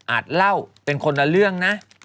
เล่าเป็นคนละเรื่องนะ